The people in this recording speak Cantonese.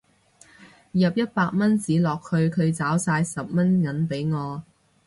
入一百蚊紙落去佢找晒十蚊銀俾我